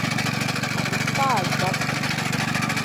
Ахәыҷқәа аазбап сҳәан…